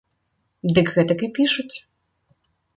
Дык гэтак і пішуць.